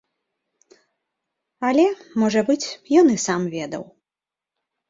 Але, можа быць, ён і сам ведаў.